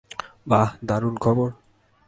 বাহ, দারুণ খবর।